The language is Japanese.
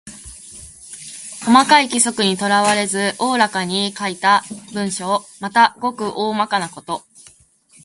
細かい規則にとらわれず大らかに書いた文章。また、ごく大まかなこと。